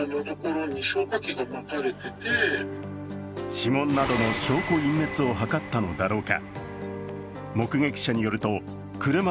指紋などの証拠隠滅を図ったのだろうか。